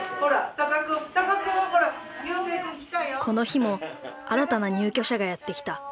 この日も新たな入居者がやって来た。